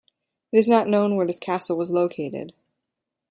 It is not known where this castle was located.